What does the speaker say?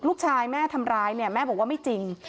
ลูกชายแม่ทำร้ายเนี่ยแม่บอกว่าไม่จริง